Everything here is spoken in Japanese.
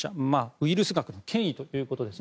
ウイルス学の権威ということです。